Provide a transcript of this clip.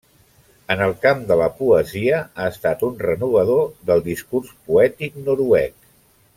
En el camp de la poesia ha estat un renovador del discurs poètic noruec.